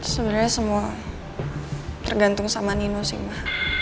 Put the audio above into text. sebenernya semua tergantung sama nino sih ma